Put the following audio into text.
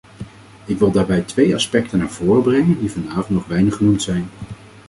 Ik wil daarbij twee aspecten naar voren brengen die vanavond nog weinig genoemd zijn.